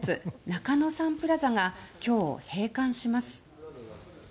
中野サンプラザが今日、閉館します。